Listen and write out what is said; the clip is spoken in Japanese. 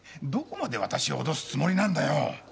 どこまで私を脅すつもりなんだよ。